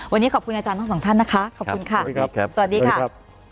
วันนี้ขอบคุณอาจารย์ทั้งสองท่านนะคะขอบคุณค่ะสวัสดีครับสวัสดีค่ะ